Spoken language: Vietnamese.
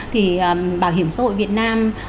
thì bảo hiểm xã hội việt nam